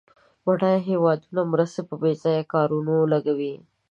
بډایه هېوادونه مرستې په بیځایه کارونو لګوي.